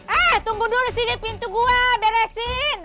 eh tunggu dulu sini pintu gue beresin